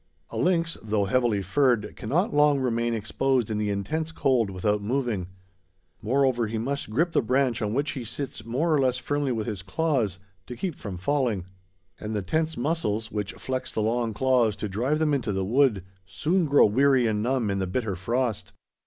A lynx, though heavily furred, cannot long remain exposed in the intense cold without moving. Moreover he must grip the branch on which he sits more or less firmly with his claws, to keep from falling; and the tense muscles, which flex the long claws to drive them into the wood, soon grow weary and numb in the bitter frost.